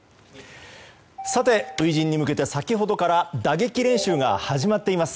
初陣に向けて先ほどから打撃練習が始まっております。